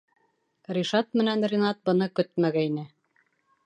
Ришат менән Ринат быны көтмәгәйне.